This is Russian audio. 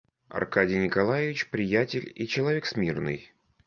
Аркадий Николаевич приятель и человек смирный.